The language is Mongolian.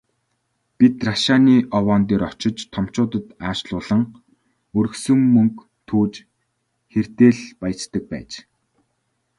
Бид рашааны овоон дээр очиж томчуудад аашлуулан, өргөсөн мөнгө түүж хэрдээ л «баяждаг» байж.